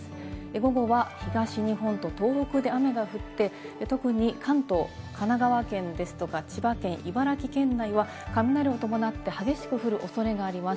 午後は東日本と東北で雨が降って、特に関東、神奈川県ですとか千葉県、茨城県内は雷を伴って激しく降るおそれがあります。